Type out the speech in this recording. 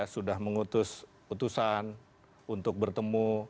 sudah mengutus putusan untuk bertemu